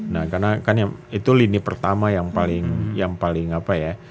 nah karena kan itu lini pertama yang paling yang paling apa ya